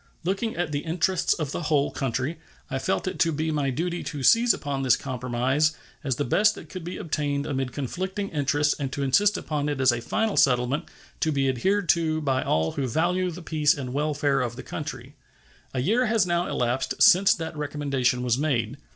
Looking at the interests of the whole country, I felt it to be my duty to seize upon this compromise as the best that could be obtained amid conflicting interests and to insist upon it as a final settlement, to be adhered to by all who value the peace and welfare of the country. A year has now elapsed since that recommendation was made.